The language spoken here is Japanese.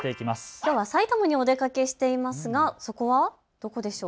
きょうは埼玉にお出かけしていますが、そこはどこでしょう？